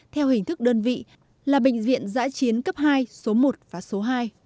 theo hình thức đơn vị là bệnh viện giã chiến cấp hai số một và số hai